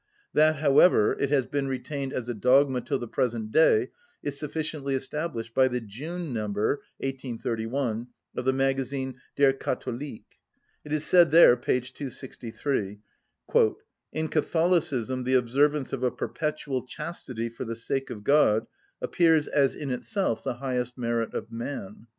That, however, it has been retained as a dogma till the present day is sufficiently established by the June number, 1831, of the magazine 'Der Katholik.' It is said there, p. 263: 'In Catholicism the observance of a perpetual chastity, for the sake of God, appears as in itself the highest merit of man.